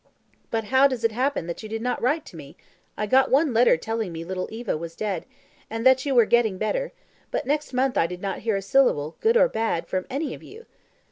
"But how does it happen that you did not write to me? I got one letter telling me little Eva was dead, and that you were getting better; but next month I did not hear a syllable, good or bad, from any of you."